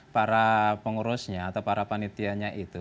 para pengurusnya atau para panitianya itu